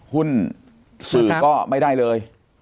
หุ้นสื่อก็ไม่ได้เลย